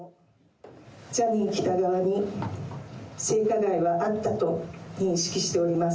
ジャニー喜多川に性加害はあったと認識しております。